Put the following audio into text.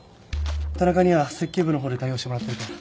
田中には設計部の方で対応してもらってるから。